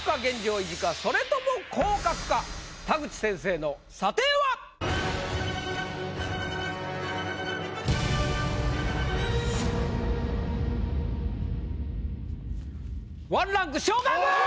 それとも田口先生の査定は⁉１ランク昇格！